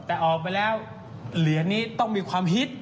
แต่ออกไปแล้วเหรียญนี้ต้องมีความฮิต